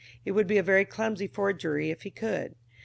It would be a very clumsy forgery if he could.